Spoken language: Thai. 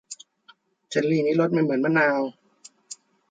เจลลี่นี้รสไม่เหมือนมะนาว